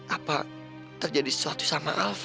apa terjadi sesuatu sama alf